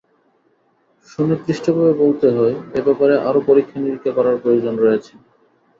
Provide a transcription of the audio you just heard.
সুনির্দিষ্টভাবে বলতে হয়, এ ব্যাপারে আরও পরীক্ষা নিরীক্ষা করার প্রয়োজন রয়েছে।